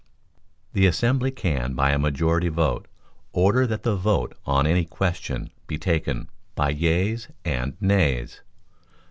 The assembly can by a majority vote order that the vote on any question be taken by Yeas and Nays.